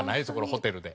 ホテルで。